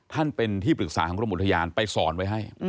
ท่านเป็นที่ปรึกษาครุฐะหมุทยานปี่ไปสอนไว้ให้